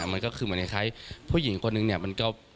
มันก็คือเหมือนคล้ายผู้หญิงคนนึงเนี่ยมันก็